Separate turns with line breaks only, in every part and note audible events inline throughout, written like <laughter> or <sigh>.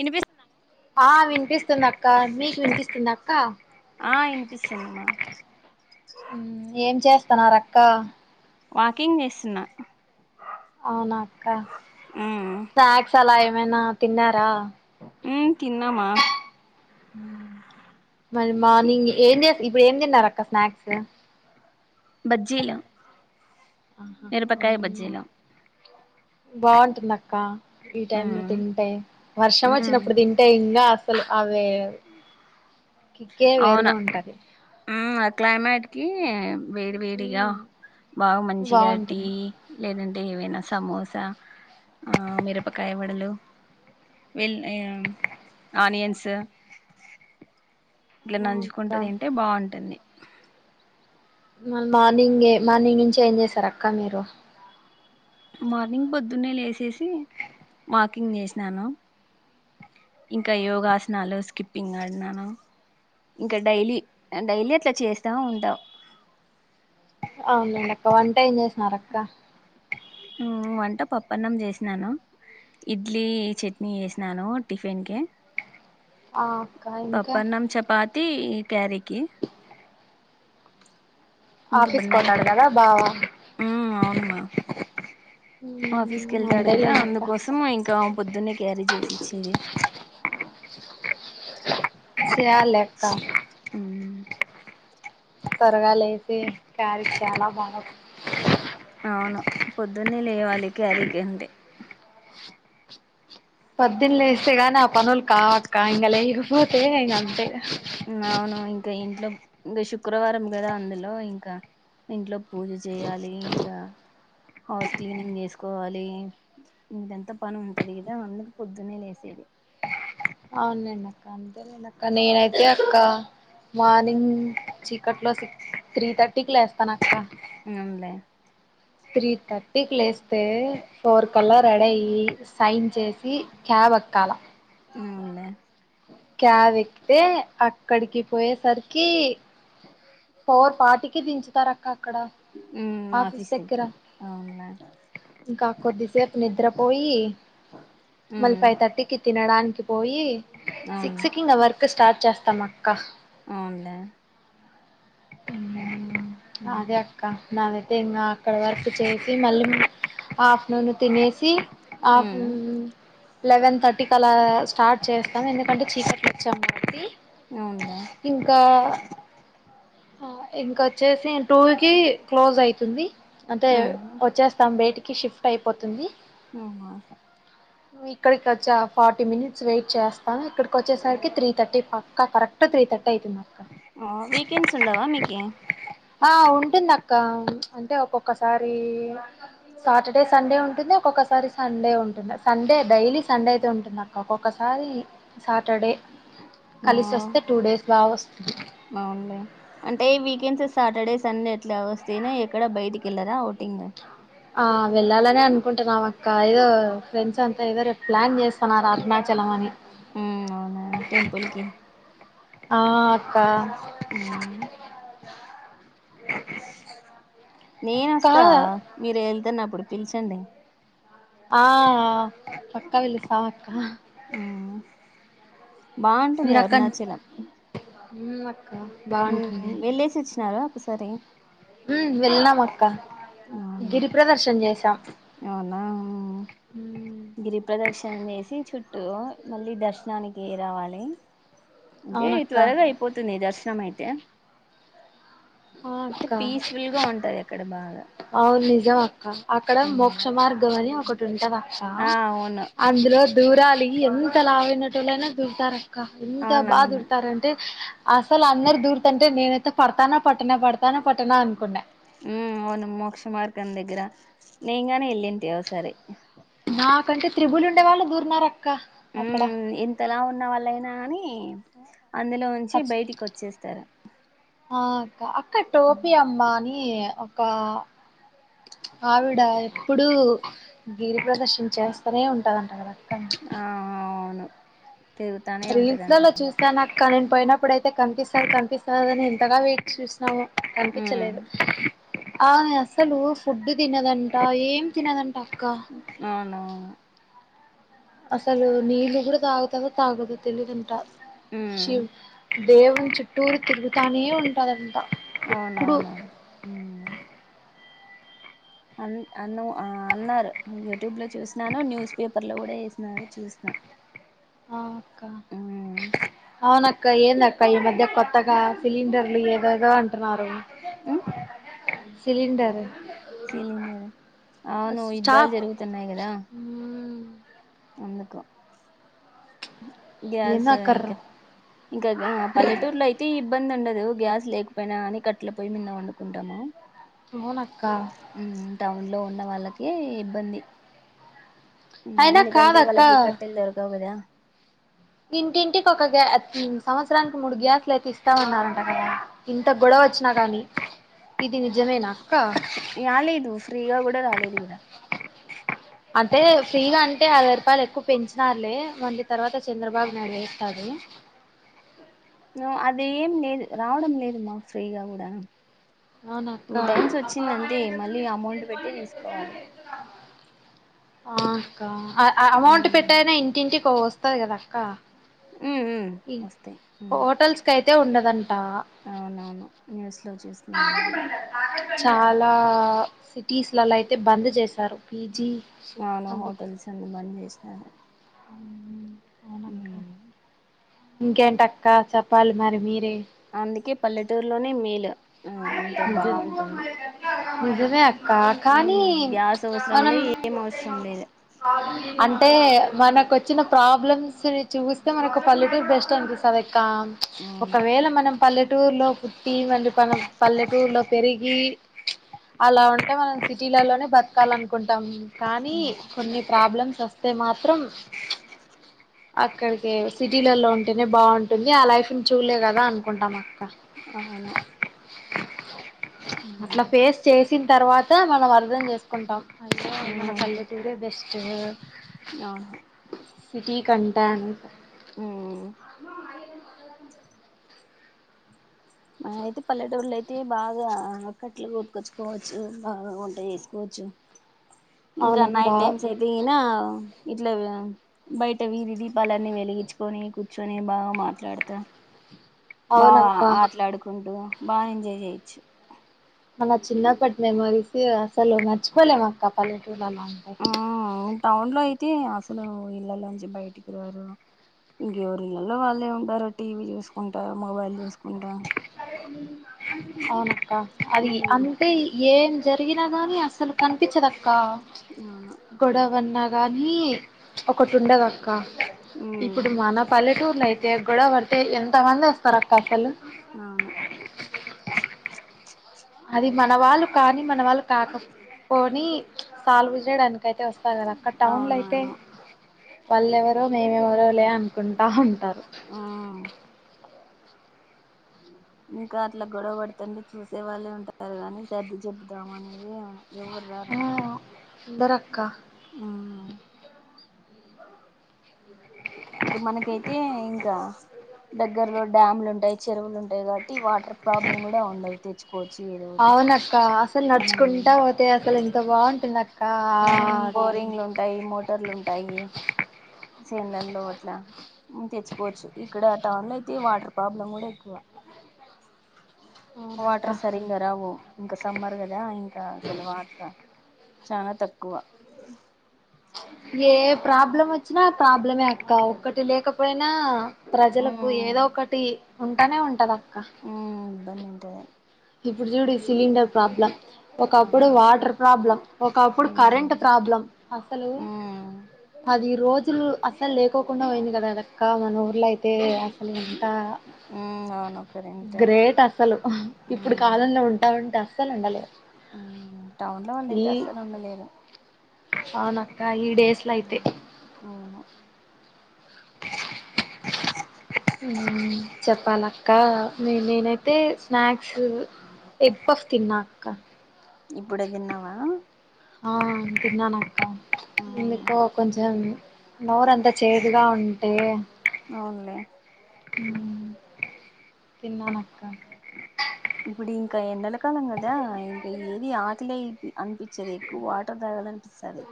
ఇనిపిస్
ఆ వినిపిస్ దక్క మీకు వినిపిస్తుందా అక్క
ఆ ఇనిపిస్తుందిమా
ఏం చేస్త ఇత్తనా రక్కా
వాకింగ్ చేస్తున్నా
అవునాక్క
ఉమ్
స్నాక్స్ అలా ఏమైనా తిన్నారా
ఉమ్ తిన్నామా
మరి మార్నింగ్ ఏం ఇప్పుడు ఏం తిన్నారు అక్క స్నాక్స్
బజ్జీలా
ఆహా ఉమ్ బాగుంటుంది అక్క ఈ టైమ్ లో
ఉమ్
తింటాేయి వర్షం
ఉమ్
వచ్చినప్పుడు తింటేయి ఇంకా అవే కిక్కే వేరుగా ఉంటది
క్లైమేట్కి వేడి వేడిగా
మ్మ్.
బాగా మంచిగా టీ
బాగుంటుంది
లేదంటే ఏవైనా సమోసా ఆ మిరపకాయ వడలు వ ఆనియన్స్ ఇట్లా
ఆ అక్క
నంచుకుంటు థింటే బాగుంటుంది
మ మార్నింగ్ మార్నింగ్ నుంచి ఏం చేసారు అక్క మీరు
మార్నింగ్ పొద్దున్నే లేేసేసి వాకింగ్ చేసినాను ఇంకా యోగాసనాలు స్కిప్పింగ్ ఆడినాను ఇంకా డైలీ డైలీ అట్లా చేస్తాము ఉంటాం
అవు మేక్క వన్ టైన్ చేస్ మలక్క
వంట పప్పన్నం చేసినాను ఇడ్లీ చేట్నీ చేసినాను టిఫిన్ కి
ఆ అక్క ఇంకా
పప్పనమ్ చపాతి క్యారీ కి
ఆఫీస్
నైట్
కోతాడగద బావ
ఆఫీస్కి
మ్మ్
వెళ్తాడు కదా
అంతేలేండి అక్క
అందుకోసం ఇంకా పొద్దున్నే క్యారీ చేసి ఇచ్చేది
చేయాలి అక్క
ఉ
త్వరగా లేసి కారకి చాలా బాగాంది
అవును పొద్దున్నే లేవాలి క్యారీగేది
పోద్దుని లేస్తే గాని ఆ పనులు కావక్క ఇంకా లేకపోతే ఇ అంతే
అవును ఇంకా ఇంట్లో ఇంకా శుక్రవారం కదా అందులో ఇంకా ఇంట్లో పూజ చేయాలి ఇంకా హౌస్ క్లీనింగ్ చేసుకోవాలి ఇదంతా పని ఉంటది కదా అందకు పొద్దునే లేసేది.
అవునండి అక్క అంతేలేం అక్క నేనైతే అక్క మార్నింగ్ చీకట్లో సిక్స్ త్రీ థర్టీకి లేస్తానక్క
ఎమ్లె
త్రీ థర్టీకి లేస్తే ఫోర్ కలా రెడయ్యి సైన్ చేసి క్యాబ్ ఎక్కాల
అవులే
క్యావ్ ఎక్తే అక్కడికి పోయేసరికి ఫోర్ ఫార్టీకి దించుతారక్క
మ్మ్
ఆఫీస్ దగ్గర
దగ్గరికి అవునులే
ఇంకా కొద్దిసేపు నిద్రపోయి మళ్ళీ
మ్మ్
ఫైథర్టీకి తినడానికి పోయి.
అవును
సిక్స్ కి ఇంగ వర్క్ స్టార్ట్ చేస్తమక్క
అవున్లే
అదే అక్క నాదైతే ఇంగా అక్కడ వరక్ చేసి మళ్ళీ ఆఫ్ట్రునూన్ తినేసి అప్
మ్మ్
లెవెన్ థర్టీకి అలా స్టార్ట్ చేస్తాం ఎందుకంటే చీకట్లో వచ్చం కాబట్టి
అవునులే
ఇంకా అ ఇంకొచ్చేసి టూ కి క్లోజ్ అయితుంది అంటే
మ్మ్
వచ్చేస్తాం బేటి కి షిఫ్ట్ అయిపోతుంది
ఆహ
ఇక్కడికి వచ్చా ఫార్టీ మినిట్స్ వెయిట్ చేస్తా ఇక్కడికి వచ్చేసరికి త్రీ థర్టీ పక్కా కరెక్ట్ త్రీ థర్టీ అవుతుందక్క
ఆ వీక్ కెన్స్ ఉండవా మీకి
ఆ ఉంటుందక్క అంటే ఒక్కొక్కసారి సాటర్డే సండే ఉంటుంది ఒక్కొక్కసారి సండే ఉంటుంది సండే డైలీ సండే అయితే ఉంటుందక్క ఒక్కొక్కసారి సాటర్డే
ఆ
కలిసోస్తే టూ డేస్ బాగొస్తది
అవునులే అంటే వీకెండ్స్ సాటర్డే సండే ఎట్లా ఒస్తేనే ఎక్కడ బయటికి వెళ్లరా ఓటింగ
ఆ వెళ్ళాలనే అనుకుంటున్నామక్క ఏదో ఫ్రెండ్స్ అంతా ఏదో రేపు ప్లాన్ చేస్తున్నారు అరుణాచలం అని
మ్ అవునా టెంపుల్కి
కా
ఉమ్
<inaudible> అక్క
నేనొస్తా మీరెళ్తన్నప్పు ప్పుడు పిల్చండి
ఆ ఆ పక్క విలుస్తాం అక్క
ఉమ్ బాగుంటుంది అరుణాచలం
మ్ మ
ఉ వెళ్ళేసి ఒచ్చినార ఒకసరి
ఉ వెళ్నాం అక్క
అవును
గిరి ప్రదర్శన చేసాం
అవునా
మ్మ్
గిరి ప్రదర్శిన చేసి చుట్టూ మళ్ళీ దర్శనానికి రావాలి అదే
అవునక్క
త్వరగా అయిపోతుంది దర్శనం అయితే
ఆ
అంటే
అక్క
పీస్ఫుల్ గా ఉంటది అక్కడ బాగా
అవును నిజం అక్క అక్కడ
ఉమ్.
మోక్ష మార్గం అని ఒకట్ తుంటదక్కా
ఆ అవును
అందులో దూరలి ఎంత లావైనోట్టులయినా దుర్తారా కా ఎంత బా
అవునవును
దూరతారంటే అసలు అందరు దూరుతంటే నేనైతే పడతానా పట్టణ పడతాన పట్టణ అనుకున్నా
ఉ అవును మోక్ష మార్గం దగ్గర నేన్ గానీ వెళ్ళింటి ఒకసారి
నాకంటే త్రిబులు ఉండే వాళ్ళు దూర్నరక
మ్మ్ ఇంతలావ్ ఉన్నా వాళ్ళయినా నని అందులో ఉంచి
ఖచ్
బయటికి వచ్చేస్తారు
ఆ అక్క అక్క టోపి అమ్మాని ఈ ఒక ఆవిడ ఎప్పుడూ గిరి ప్రదర్శన్ చేస్తానే ఉంటదంటారు కదా
ఆ అవును తిరుగుతానే ఉంటదంట
రీల్స్లలో చూసాను అక్క నేన్ పోయినప్పుడు అయితే కనిపిస్తది కనిపిస్తాదని ఎంతగా వెయిట్ చూస్నామ్మో
ఉమ్
కనిపించలేదు ఆమె అసలు ఫుడ్ తినదంట ఏం తినదం
అవునవును
అసలు నీళ్లు కూడా తాగుతదో తాగదో తేలీదు అంట
ఉమ్
శివ్ దేవుని చుట్టూరు తిరుగుతానే ఉంటదంట ఇప్పుడు
అవునవును హ్మ్ అన్ అన్నో ఆ అన్నారు మ్మ్ యూట్యూబ్ లో చూసినాను న్యూస్ పేపర్ లో కూడా ఏసినారు చూస్న్నా
ఆ అక్క అవ్నక్క క ఏందక్క ఈ మధ్య కొత్తగ సిలిండర్లు ఏదోదో అంటున్నారు
ఉమ్
సిలిండర్
సీలిండరూ అవును యుద్ధాలు
స్టాప్
జరుగుతున్నాయి కదా
హ్మ్.
అందుకు గ్యాస్
ఏందో
ఇంక
అక్కర్రు
ఇంక పల్లెటూర్లో అయితే ఇబ్బంది వుండదు గ్యాస్ లేకపోయినా గాని కట్టెల పోయ్యి మీద వండుకుంటాము
అవున అక్క
ఉమ్ టౌన్ లో ఉన్న వాళ్ళకి ఇబ్బంది ఉమ్
అయినా
ఎందుకంటే
కాదక్క
వాల్లకి కట్టెల్ దొరకవ్ కదా
ఇంటింటికి ఒక గ్యా సంవత్సరానికి మూడు గ్యాస్లు అయితే ఇస్తా అన్నారంట కదా ఇంత గొడవ వచ్చినా గానీ ఇది నిజమే న
యాల్లేదు ఫ్రీగా గుడా రాలేదు ఇంగ
అంటే ఫ్రీగా అంటే అరవై రూపాయలు ఎక్కువ పెంచినారులే మల్లి తర్వాత చంద్రబాబు నాయుడు వేస్తాడు
అది ఏం లేదు రావడం లేదు మాకు ఫ్రీగా కూడా
అవున అక్క
టూ టైమ్స్ వచ్చిందంతే మళ్ళీ అమౌంట్ పెట్టి తీసుకోవాలి
ఆ అక్క అమౌంట్
ఉమ్,
పెట్టైన ఇంటింటి కో వస్ వస్తది కదా అక్క
ఉ ఉ వస్తాయి
ఉండదండి
అవునవును న్యూస్ న్యూస్ లో చూస్తున్న మేం కూడా
చాలా సిటీస్లలో అయితే బంద్ చేశారు పీజీ
అవును హోటల్స్ అన్ని బంద్ చేస్
ఆ
అవును
ఇంకేంటక్క చెప్పాలి మరి మీరే
అందుకే పల్లెటూరులోనే మేలు అంత
నిజం
బాగుంటుంది
నిజమే అ అక్క కానీ
ఉమ్, గ్యాస్ అవసరం
మనం
లే ఏం అవసరం లేదు
అంటే మనకు వచ్చిన ప్రాబ్లమ్స్ ని చూస్తే మనకు పల్లెటూరు బెస్ట్ అనిపిస్తుంది ఇక్క
అవును
ఒకవేళ మనం పల్లెటూరులో పుట్టి మళ్లీ మనం పల్లెటూరులో పెరిగి అలా ఉంటే మనం సిటీలలోనే బతకాల అనుకుంటాము కానీ
ఉమ్,
కొన్ని ప్రాబ్లమ్స్ వస్తాయి వస్తే మాత్రం అక్కడికి సిటీలలో ఉంటేనే బాగుంటుంది ఆ లైఫ్ని చూల్లే కదా అనుకుంటాం
అవును
అట్లా
ఉమ్,
ఫేస్ చేసి తర్వాత మనం అర్థం చేసుకుంటాం అయిన మన
ఉమ్,
పల్లెటూరే బెస్ట్
అవును
సిటీ కంటాం
అ అయితే పల్లెటూరు లో అయితే బాగా కట్లు కొట్టుకొచ్చుకోవచ్చు బాగా వంట చేసుకోవచ్చు ఇంకా
అవునక్క
నైట్ టైమ్స్ అయితే గిన ఇట్లా బయట వీధి దీపాలన్నీ వెలిగించుకొని కూర్చొని బాగా మాట్లాడతా బా
అవునక్క
ఆటలాడుకుంటూ బాగా ఎంజాయ్ చేయిచ్చు
మన చిన్నప్పటి మెమోరీస్ అసలు మర్చిపోలేము అక్క పల్లెటూర్లళ్లో అలా ఉంటే
ఆ టౌన్ లో అయితే అసలు ఇళ్లలో నుంచి బయటికి రారు ఇంకెవరు ఇళ్లలో వాళ్ళే ఉంటారు టీవీ చూసుకుంటారు మొబైల్ చూసుకు
అవునక్క అది
ఉమ్
అంటే ఏం జరిగినా కానీ అసలు కనిపించదు అక్క
అవును
గొడవన్న కానీ ఒకటి ఉండగా ఇప్పుడు
ఉమ్
మన పల్లెట అయితే గొడవ పడితే ఎంత మంది వస్తారు అక్క అసలు
అవును
అది మన వాళ్ళు కానీ మన వాళ్ళు కాకపోని సాల్వ్ చేయడానికి అయితే వస్తారు కదా అక్కడ టౌన్ లో అయితే
అవునవును
వాళ్ళెవరో మేము ఎవరో లే అనుకుంటా ఉంటారు
ఉమ్ ఇంకా అట్లా గొడవ పడుతుండి చూసే వాళ్ళే ఉంటారు కాని సర్ది చెపుదామ అనే ఏమో ఎవ్వరు రారు
దరక్క
ఇంకా మనకైతే ఇంకా దగ్గరలో డ్యామ్లు ఉంటాయి చెరువులు ఉంటాయి కాబట్టి వాటర్ ప్రాబ్లమ్ కూడా ఉండది తెచ్చు
అవునక్క అసలు నడుచుకుంటా పోతే అసలు ఎంత బాగుంటుంది అక్క
ఉ
అది
బోరింగ్లు ఉంటాయి మోటార్లు ఉంటాయి సేన్లల్లో అట్లా తెచ్చుకోవచ్చు ఇక్కడ టౌన్ లో అయితే వాటర్ ప్రాబ్లం కూడా ఎక్కువ వాటర్
అవునక్క
సరిగా రావు ఇంకా సమ్మర్ కదా ఇంకా అసలు వాటర్ చాలా తక్కువ
ఏ ప్రాబ్లం వచ్చినా ప్రాబ్లమే అక్క ఒక్కటి లేకపోయినా ప్రజలకు
ఉమ్
ఏదో ఒకటి ఉంటానే ఉంటదా
ఉమ్ ఇబ్బంది ఉంటది.
ఇప్పుడు చూడు ఈ సిలిండర్ ప్రాబ్లం. ఒకప్పుడు
అవును
వాటర్ ప్రాబ్లం ఒకప్పుడు కరెంట్
మ్మ్
ప్రాబ్లం. అసలు
మ్మ్
అది ఈ రోజు. అసలు అసలు లేకోకుండా పోయింది కదా అక్క మన ఊర్లో అయితే అసలు.
మ్మ్ అవును కరెంట్
గ్రేట్ అసలు.
ఇప్పుడు
ఇప్పుడు కాలంలో ఉంటా ఉంటా అస్సలు ఉండలేము.
ఉమ్ టౌన్ లో వాళ్ళుయితే అస్సలు ఉండలేరు.
అవునాక్క. ఆహ్ ఈ డేస్లా అయితే.
ఉమ్ అవును
చెప్పాలక్క నేనైతే స్నాక్స్ ఎగ్ పఫ్ తిన్నా అక్క.
ఇప్పుడే తిన్నావా.
ఆహ్ తిన్నాను అక్క
మ్మ్
ఎందుకో కొంచెం నోరుంతా చేదుగా ఉంటే.
అవునులే.
ఉమ్ తిన్నాను అక్క.
ఇప్పుడీ ఇంకా ఎండాలా. ఎండాకాలం గద ఇక ఏది ఆకలేయిద్ది. అనిపించేది ఎక్కువ వాటర్ తాగాల అనిపిస్తది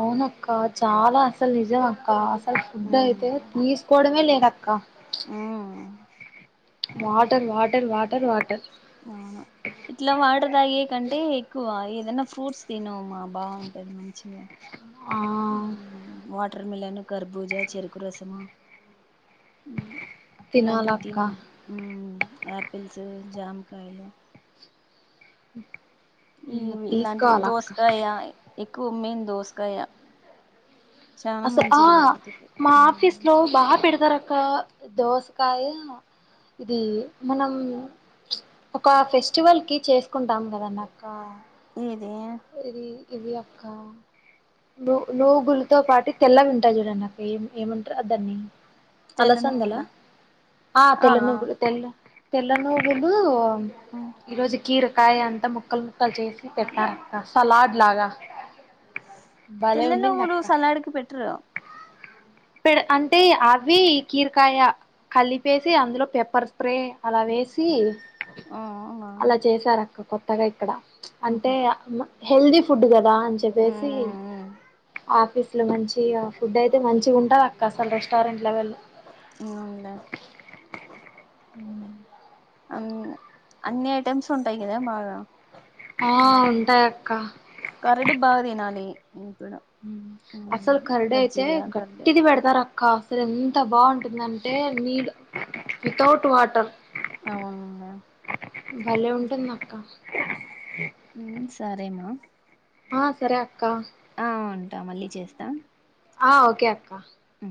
అవునక్క చాలా అసలు నిజం అక్క అస. అ ఫుడ్ అయితే తీసుకోవడమే లేదు. అక్క
ఆహ్
వాటర్ వాటర్ వాటర్ వాటర్.
అవును ఇట్లా వాటర్ తాగే కంటే ఎక్కువ ఏది. ఏదైనా ఫ్రూట్స్ తిను మా బాగుంటది మంచిగా.
<inaudible>
ఉమ్ వాట్. వాటర్ మిలన్, కర్బూజ, చెరుకు రసము. ఇలాంటివి
తినాలక్క
తిను ఉమ్ ఆపిల్స్. జామకాయలు.
ఉమ్
ఇవి ఇలాంటివి దోసకాయ. ఎక్కువ మెయిన్ దోసకాయా.
అసలు ఆహ్ మా ఆఫీస్ లో బాగా పెడతారాక్క. ఒక దోసకాయ ఇది మనం ప్చ్ ఒక ఫెస్టివల్ కి చేసుకుంటాం కదండి అక్క.
ఉమ్
ఏది ఇది అక్క ను నుగులతో పాటి తెల్లగుంటాయ్ చూడండి ఆక్క ఏం ఏమంటారు అ దాన్ని
తెల్ల
అలాసందల
నువ్వుల
ఆ తెల్ల నూగులు తెల్ల తెల్ల నువ్వులు ఈరోజుకి ర కాయ అంతా ముక్కలు ముక్కలు చేసి పెట్టారు సలాడ్ లాగా భలే
తెల్ల
ఉండింది
నువ్వులు
అక్క
సలాడుకి పెట్రు
పె అంటే అవి కీరకాయ కలిపేసి అందులో పెప్పర్ స్ప్రే అలా వేసి
ఆవునా
అలా చేశారు అక్క కొత్తగా ఇక్కడ అంటే హెల్దీ ఫుడ్ క అని చెప్పేసి ఆఫీస్ అసలు మంచి ఫుడ్ అయితే మంచిగా ఉంటంది అక్క అసలు రెస్టారెంట్ల వెళ్ళ
అవుంట అ అన్ని ఐటెమ్స్ ఉంటాయి కదా బాగా
ఆ ఉంటాయ అక్క
కరడు బాగా తినాలి ఇప్పుడు
అసలు కరడ అయితే
మజ్జిగ కరడు
గట్టిది పెడతారు అక్క రే ఎంత బాగుంటుందింటే నీడ్ వితౌట్ వాటర్
అవును
భలే ఉంటంటంది నాక్క
సరేమా
ఆ సర అక్క
అంటా మళ్ళీ చేస్తాం
ఆ ఓకే అక్కా
అ